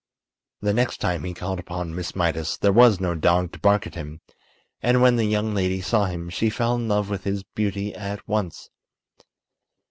The next time he called upon Miss Mydas there was no dog to bark at him, and when the young lady saw him she fell in love with his beauty at once.